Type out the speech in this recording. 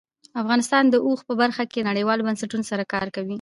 افغانستان د اوښ په برخه کې نړیوالو بنسټونو سره کار کوي.